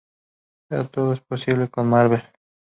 Pero todo es posible con Marvel.